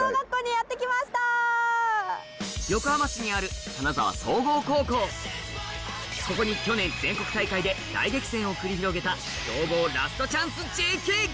横浜市にあるここに去年全国大会で大激戦を繰り広げた強豪ラストチャンスＪＫが！